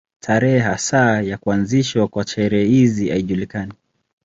Tarehe hasa ya kuanzishwa kwa sherehe hizi haijulikani.